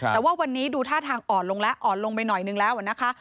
แต่ว่าวันนี้ดูท่าทางอ่อนลงแล้วอ่อนลงไปหน่อยนึงแล้วนะคะ